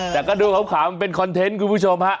แต่ก็ดูขาวมันเป็นคอนเทนต์คุณผู้ชมฮะ